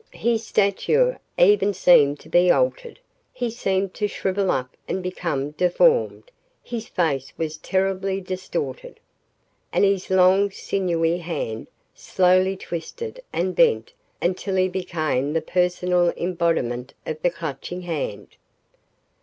His stature even seemed to be altered. He seemed to shrivel up and become deformed. His face was terribly distorted. And his long, sinewy hand slowly twisted and bent until he became the personal embodiment of the Clutching Hand.